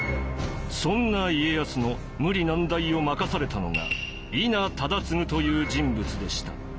そんな家康の無理難題を任されたのが伊奈忠次という人物でした。